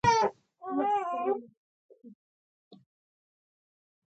رومیان له واورې پرته هم خوند لري